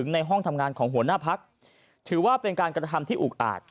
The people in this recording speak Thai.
ในห้องทำงานของหัวหน้าพักถือว่าเป็นการกระทำที่อุกอาจ